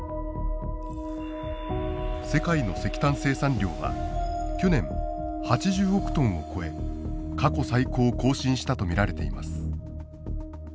世界の石炭生産量は去年８０億トンを超え過去最高を更新したと見られています。